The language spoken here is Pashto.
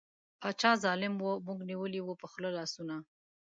باچا ظالیم وو موږ نیولي وو په خوله لاسونه